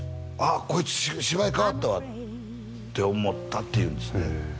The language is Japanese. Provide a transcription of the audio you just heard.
あっこいつ芝居変わったわって思ったって言うんですね